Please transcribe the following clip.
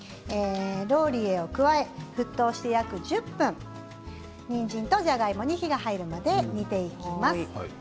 ローリエを加えて沸騰して約１０分にんじんとじゃがいもに火が入るまで煮ていきます。